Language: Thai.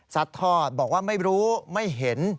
ทอดบอกว่าไม่รู้ไม่เห็น